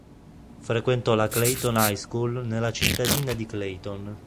Frequentò la Clayton High School nella cittadina di Clayton.